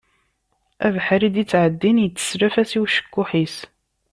Abeḥri i d-yettɛeddin yetteslaf-as i ucekkuḥ-is.